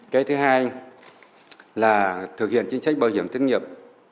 cái thứ hai là thực hiện chính sách bảo hiểm thất nghiệp